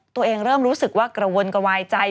เริ่มรู้สึกว่ากระวนกระวายใจ